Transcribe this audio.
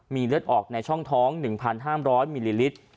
มีเลือดออกในช่องท้อง๑๕๐๐มิลลิลิตร